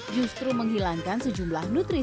justru menghilangkan sejumlah nutrisi